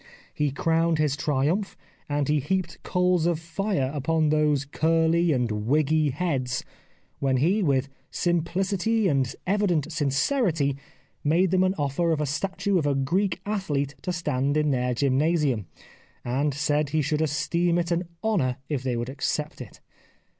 He crowned his triumph, and he heaped coals of fire upon those curly and wiggy heads, when he, with simplicity and evident sincerity, made them an offer of a statue of a Greek athlete to stand in their gymnasium, and said he should esteem it an honour if they would accept it.